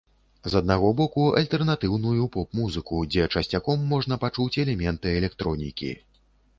З аднаго боку альтэрнатыўную поп-музыку, дзе часцяком можна пачуць элементы электронікі.